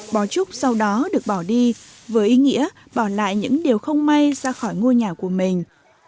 bó trúc sau đó được bỏ đi với ý nghĩa bỏ lại những điều không may ra khỏi ngôi nhà của mình